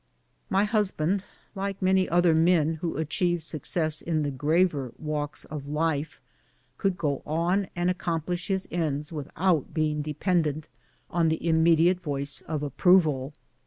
My liusband, like many other men wlio acliieve suc cess in the graver walks of life, could go on and accom plish his ends without being dependent on the immediate voice of approval.